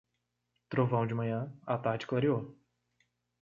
Trovão de manhã, a tarde clareou.